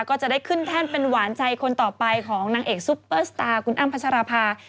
ก็จะได้ขึ้นแท่นเป็นหวานใจคนต่อไปของนางเอกซุปเปอร์สตาร์คุณอ้ำพัชรภา